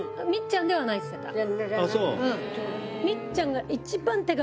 みっちゃんではないって言っ